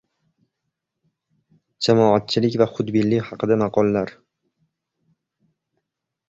Jamoatchilik va xudbinlik haqida maqollar.